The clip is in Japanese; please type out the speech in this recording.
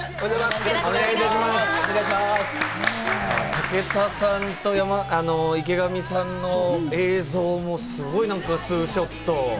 武田さんと池上さんの映像もすごいツーショット。